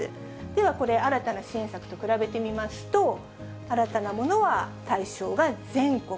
ではこれ、新たな支援策と比べてみますと、新たなものは、対象が全国。